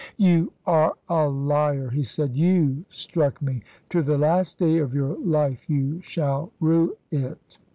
"You are a liar," he said; "you struck me. To the last day of your life you shall rue it."